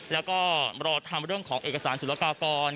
แล้วก็รอทำเรื่องของเอกสารสุรกากร